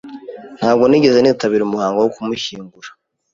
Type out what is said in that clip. Ntabwo nigeze nitabira umuhango wo kumushyingura.